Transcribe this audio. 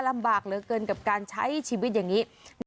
ลำบากเหลือเกินกับการใช้ชีวิตอย่างนี้